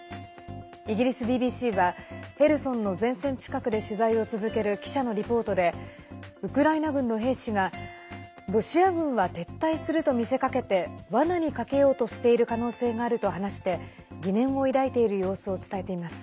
イギリスＢＢＣはヘルソンの前線近くで取材を続ける記者のリポートでウクライナ軍の兵士がロシア軍は撤退すると見せかけてわなにかけようとしている可能性があると話して疑念を抱いている様子を伝えています。